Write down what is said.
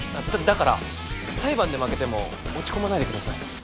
だから裁判で負けても落ち込まないでください